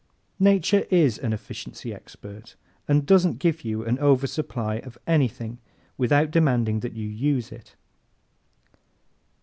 _ Nature IS an efficiency expert and doesn't give you an oversupply of anything without demanding that you use it.